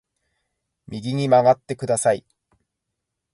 右に曲がってください